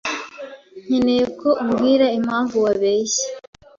nkeneye ko umbwira impamvu wabeshye.